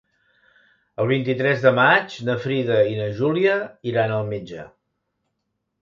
El vint-i-tres de maig na Frida i na Júlia iran al metge.